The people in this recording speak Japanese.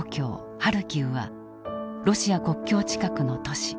ハルキウはロシア国境近くの都市。